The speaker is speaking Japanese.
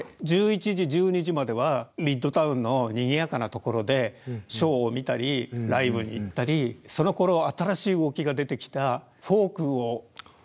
で１１時１２時まではミッドタウンのにぎやかな所でショーを見たりライブに行ったりそのころ新しい動きが出てきたフォークをやる店とかそういう所。